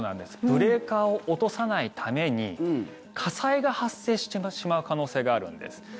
ブレーカーを落とさないために火災が発生してしまう可能性があるんです。